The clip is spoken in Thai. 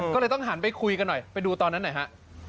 ก็เลยต้องหันไปคุยกันหน่อยไปดูตอนนั้นหน่อยฮะ